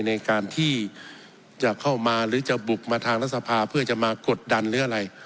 ในการที่จะเข้ามาหรือจะบุกมาทางรัฐสภาเพื่อจะมากดดันหรืออะไร